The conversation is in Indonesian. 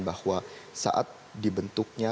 bahwa saat dibentuknya